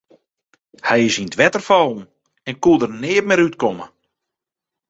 Hy is yn it wetter fallen en koe der net mear út komme.